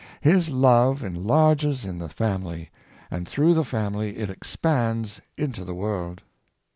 His love enlarges in the family, and through the family it expands into the world.